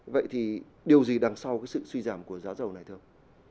vậy thì điều gì đằng sau cái sự suy giảm của giá dầu này thưa ông